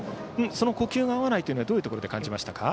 呼吸が合わないというのはどういうところで感じましたか？